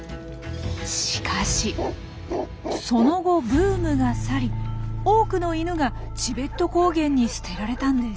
しかしその後ブームが去り多くのイヌがチベット高原に捨てられたんです。